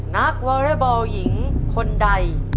นักวอเรบอลหญิงคนใด